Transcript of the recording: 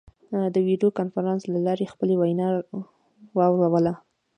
د ویډیو کنفرانس له لارې خپله وینا واوروله.